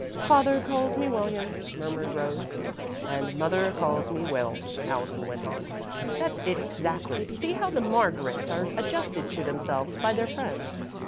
"'Father calls me William,'" murmured Rose. "'And Mother calls me Will,'" Allison went on. "That's it, exactly. See how the 'Margarets' are adjusted to themselves by their friends.